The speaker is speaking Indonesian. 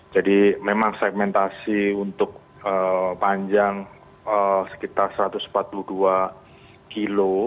jadi memang segmentasi untuk panjang sekitar satu ratus empat puluh dua kilo